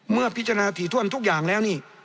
เมื่อพิจารณาถี่ถ้วนทุกอย่างแล้วนี่